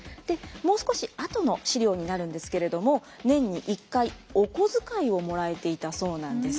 もう少し後の史料になるんですけれども年に１回おこづかいをもらえていたそうなんです。